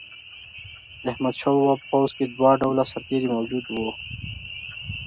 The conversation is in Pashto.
د احمدشاه بابا په پوځ کې دوه ډوله سرتیري موجود وو.